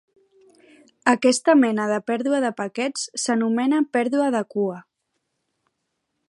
Aquesta mena de pèrdua de paquets s'anomena pèrdua de cua.